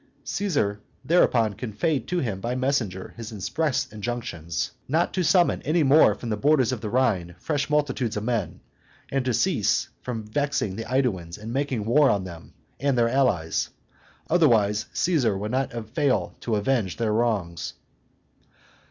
Caesar thereupon conveyed to him by messenger his express injunctions, "not to summon any more from the borders of the Rhine fresh multitudes of men, and to cease from vexing the AEduans and making war on them, them and their allies. Otherwise, Caesar would not fail to avenge their wrongs."